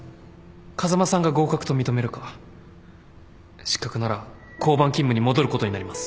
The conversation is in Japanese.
風間さんが合格と認めるか失格なら交番勤務に戻ることになります。